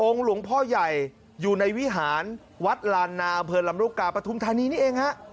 หลวงพ่อใหญ่อยู่ในวิหารวัดลานนาอำเภอลำลูกกาปฐุมธานีนี่เองฮะ